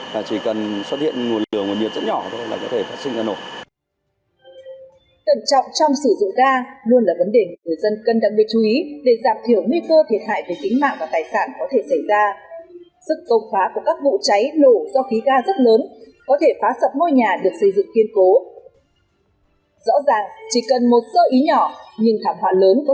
và chỉ cần xuất hiện nguồn lửa nguồn biệt rất nhỏ thôi là có thể phát sinh ra nổ